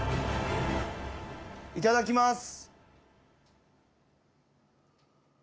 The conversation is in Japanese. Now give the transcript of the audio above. いただきます。